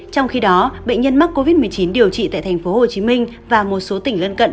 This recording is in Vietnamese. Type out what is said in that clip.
trong khi đó bệnh nhân mắc covid một mươi chín điều trị tại tp hcm và một số tỉnh lân cận